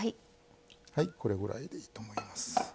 はいこれぐらいでいいと思います。